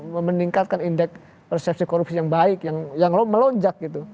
memeningkatkan indeks persepsi korupsi yang baik yang melonjak gitu